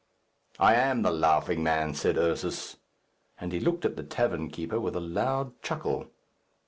"I am the laughing man," said Ursus. And he looked at the tavern keeper with a loud chuckle.